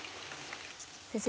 先生